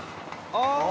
ああ。